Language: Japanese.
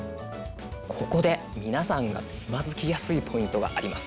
ここで皆さんがつまずきやすいポイントがあります。